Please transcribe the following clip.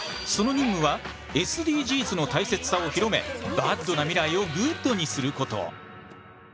その任務はＳＤＧｓの大切さを広めＢａｄな未来をＧｏｏｄにすること。